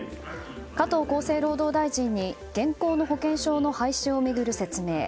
加藤厚生労働大臣に現行の保険証の廃止を巡る説明